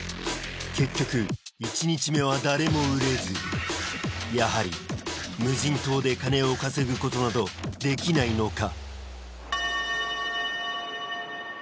結局１日目は誰も売れずやはり無人島で金を稼ぐことなどできないのか？